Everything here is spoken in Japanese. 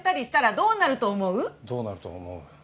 どうなると思う？